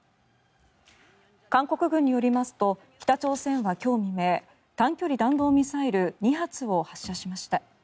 韓国軍によりますと北朝鮮は今日未明短距離弾道ミサイル２発を発射しました。